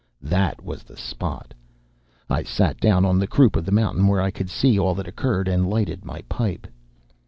That was the spot! I sat down on the croup of the mountain, where I could see all that occurred, and lighted my pipe.